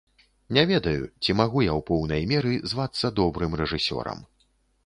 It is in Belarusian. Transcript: Не ведаю, ці магу я ў поўнай меры звацца добрым рэжысёрам.